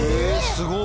すごい！